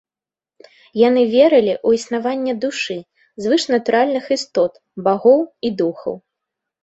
Яны верылі ў існаванне душы, звышнатуральных істот, багоў і духаў.